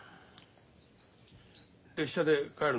列車で帰るのか？